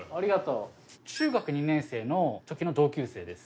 中学２年生のときの同級生です。